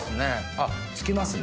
あっ付きますね。